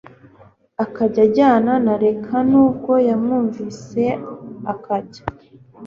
akajya ajyana na rek nubwo yamwumviye akajya